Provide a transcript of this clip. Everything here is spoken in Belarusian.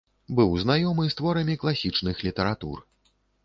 Быў знаёмы з творамі класічных літаратур.